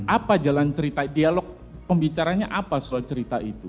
apa jalan cerita dialog pembicaranya apa soal cerita itu